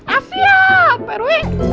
asyik pak rw